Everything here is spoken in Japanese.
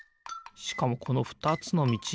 しかもこのふたつのみち